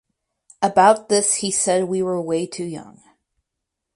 About this he has said "we were way too young".